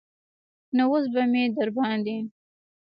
نو اوس به مې درباندې.